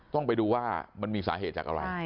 ต้องไปดูว่ามันมีสาเหตุจากอะไร